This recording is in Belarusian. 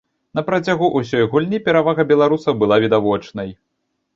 На працягу ўсёй гульні перавага беларусаў была відавочнай.